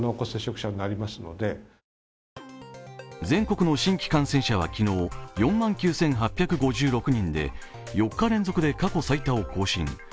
全国の新規感染者は昨日、４万９８５６人で４日連続で、過去最多を更新。